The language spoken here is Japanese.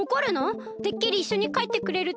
てっきりいっしょにかえってくれるとおもってたんだけど。